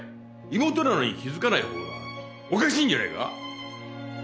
妹なのに気づかないほうがおかしいんじゃないか？